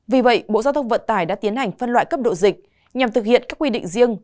vì vậy bộ giao thông vận tải đã tiến hành phân loại cấp độ dịch nhằm thực hiện các quy định riêng